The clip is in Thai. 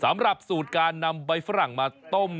สำหรับสูตรการนำใบฝรั่งมาต้ม